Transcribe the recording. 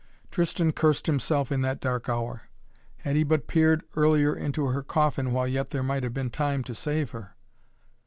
Tristan cursed himself in that dark hour. Had he but peered earlier into her coffin while yet there might have been time to save her.